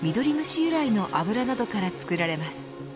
由来の油などから作られます。